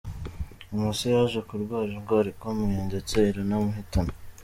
Nyuma se yaje kurwara indwara ikomeye, ndetse iranamuhitana.